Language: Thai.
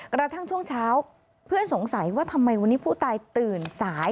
กระทั่งช่วงเช้าเพื่อนสงสัยว่าทำไมวันนี้ผู้ตายตื่นสาย